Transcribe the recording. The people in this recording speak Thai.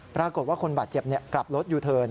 ปรากฏว่าคนบาดเจ็บกลับรถยูเทิร์น